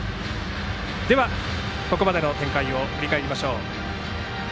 ここまでの展開を振り返りましょう。